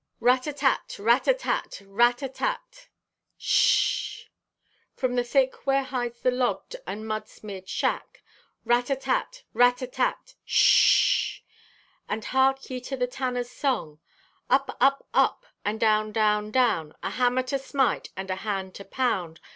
Rat a tat! Rat a tat! Rat a tat! Sh h h h! From out the thick where hides the logged and mud smeared shack. Rat a tat! Rat a tat! Sh h h h! And hark ye, to the tanner's song! Up, up, up! and down, down, down! A hammer to smite And a hand to pound!